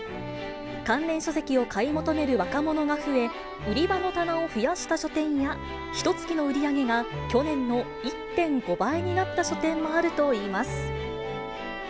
関連書籍を買い求める若者が増え、売り場の棚を増やした書店や、ひとつきの売り上げが去年の１．５倍になった書店もあるといいます。